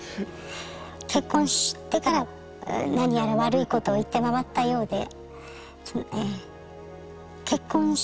結婚してから何やら悪いことを言って回ったようで。